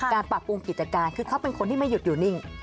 การปรับปรุงกิจการคือเขาเป็นคนที่ไม่หยุดอยู่นิ่ง